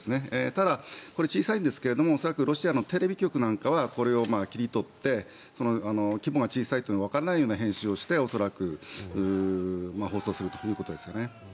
ただ、小さいんですが恐らくロシアのテレビ局なんかはこれを切り取って規模が小さいということがわからないような編集をして恐らく放送するということですね。